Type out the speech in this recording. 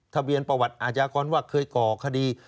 ทะเบียนประวัติอาชญากรว่าเคยก่อคดี